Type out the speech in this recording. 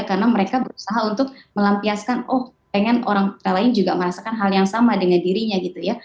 karena mereka berusaha untuk melampiaskan oh pengen orang lain juga merasakan hal yang sama dengan dirinya gitu ya